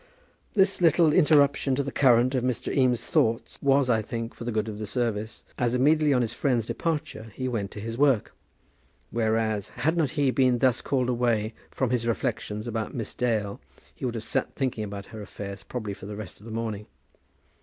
This little interruption to the current of Mr. Eames's thoughts was, I think, for the good of the service, as, immediately on his friend's departure, he went to his work; whereas, had not he been thus called away from his reflections about Miss Dale, he would have sat thinking about her affairs probably for the rest of the morning.